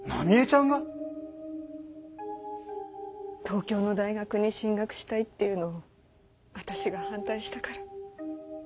東京の大学に進学したいっていうのを私が反対したから。